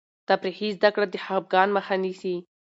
تفریحي زده کړه د خفګان مخه نیسي.